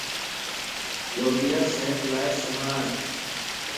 لوبيا صحت لا سھڻان